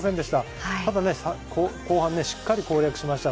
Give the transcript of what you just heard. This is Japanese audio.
後半しっかり攻略しました。